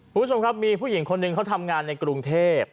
คุณผู้ชมครับมีผู้หญิงคนหนึ่งเขาทำงานในกรุงเทพ